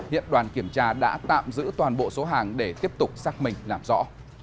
hiện đoàn kiểm tra đã tạm giữ toàn bộ số hàng để tiếp tục xác minh làm rõ